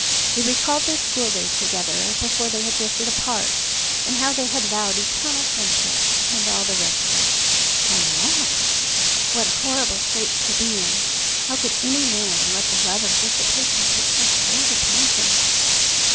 He recalled their schooldays together before they had drifted apart, and how they had vowed eternal friendship and all the rest of it. And now! What horrible straits to be in. How could any man let the love of dissipation take such hold upon him?